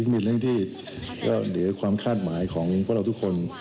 มีเรื่องที่เหลือใช้ความคาดหมายของเราทุกคน